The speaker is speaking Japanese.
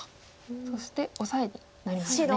そしてオサエになりましたね。